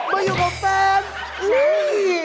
มาอยู่กับแฟน